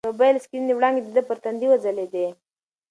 د موبایل د سکرین وړانګې د ده پر تندي وځلېدې.